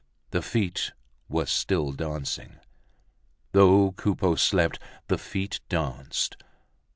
The feet were still dancing. Though Coupeau slept the feet danced.